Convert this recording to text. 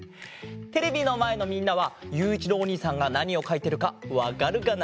テレビのまえのみんなはゆういちろうおにいさんがなにをかいてるかわかるかな？